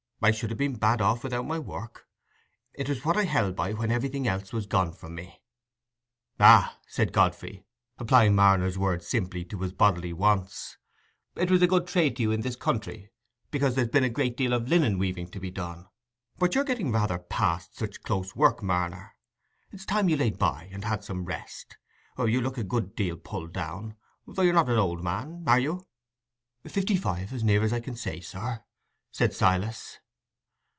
"I should ha' been bad off without my work: it was what I held by when everything else was gone from me." "Ah," said Godfrey, applying Marner's words simply to his bodily wants, "it was a good trade for you in this country, because there's been a great deal of linen weaving to be done. But you're getting rather past such close work, Marner: it's time you laid by and had some rest. You look a good deal pulled down, though you're not an old man, are you?" "Fifty five, as near as I can say, sir," said Silas.